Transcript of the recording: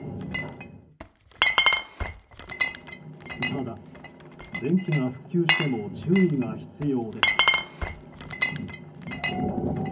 ただ、電気が復旧しても注意が必要です。